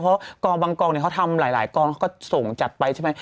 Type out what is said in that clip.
เพราะกองบางกองเนี่ยเขาทำหลายกองเขาก็ส่งจัดไปใช่ไหม